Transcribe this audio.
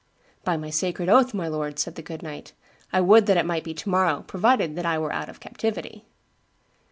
'By my sacred oath, my lord,' said the good knight, 'I would that it might be to morrow, provided that I were out of captivity.